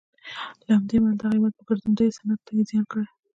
له همدې امله دغه هېواد په ګرځندوی صنعت کې زیان کړی.